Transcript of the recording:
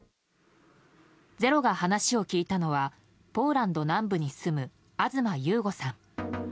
「ｚｅｒｏ」が話を聞いたのはポーランド南部に住む東優悟さん。